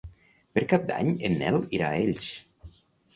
Per Cap d'Any en Nel irà a Elx.